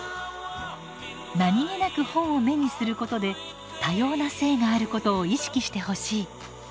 何気なく本を目にすることで多様な性があることを意識してほしい。